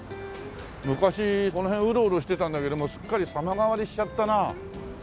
昔この辺ウロウロしてたんだけどもすっかり様変わりしちゃったな。